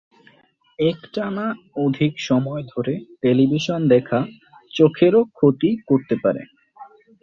একটানা অধিক সময় ধরে টেলিভিশন দেখা চোখেরও ক্ষতি করতে পারে।